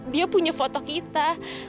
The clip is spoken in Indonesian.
dia punya foto kita